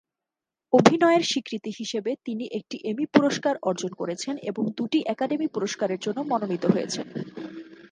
অভিনয়ের স্বীকৃতি হিসেবে তিনি একটি এমি পুরস্কার অর্জন করেছেন এবং দুটি একাডেমি পুরস্কারের জন্য মনোনীত হয়েছেন।